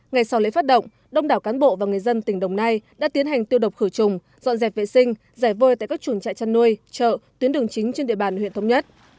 ngày sau lễ phát động đông đảo cán bộ và người dân tỉnh đồng nai đã tiến hành tiêu độc khử trùng dọn dẹp vệ sinh rẻ vôi tại các chuồng trại chăn nuôi chợ tuyến đường chính trên địa bàn huyện thống nhất